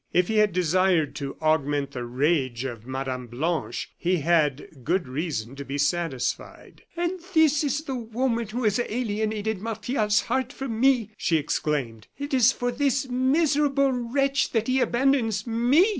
If he had desired to augment the rage of Mme. Blanche, he had good reason to be satisfied. "And this is the woman who has alienated Martial's heart from me!" she exclaimed. "It is for this miserable wretch that he abandons me!"